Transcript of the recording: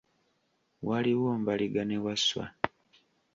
Waliwo mbaliga ne wasswa.